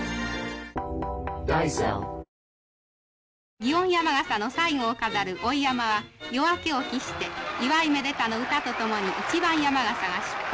祇園山笠の最後を飾る追い山笠は夜明けを喫して祝いめでたの歌と共に一番山笠が出発。